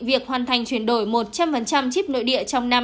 việc hoàn thành chuyển đổi một trăm linh chip nội địa trong năm hai nghìn hai mươi